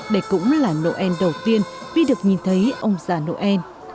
đây cũng là noel đầu tiên vi được nhìn thấy ông già noel